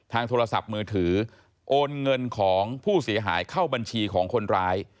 โทรศัพท์มือถือโอนเงินของผู้เสียหายเข้าบัญชีของคนร้าย